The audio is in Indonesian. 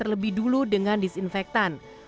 lebih dulu dengan disinfektan